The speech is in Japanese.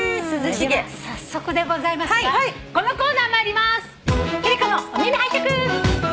それでは早速でございますがこのコーナー参ります。